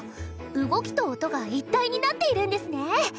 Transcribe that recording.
動きと音が一体になっているんですね。